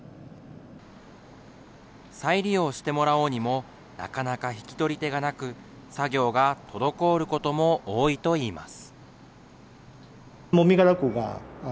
再利用してもらおうにも、なかなか引き取り手がなく、作業が滞ることも多いといいます。